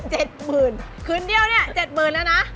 หมื่นคืนเดียวเนี่ยเจ็ดหมื่นแล้วนะ